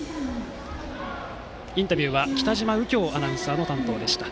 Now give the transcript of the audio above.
インタビューは北嶋右京アナウンサーの担当でした。